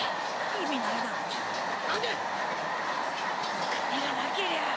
お金がなけりゃ。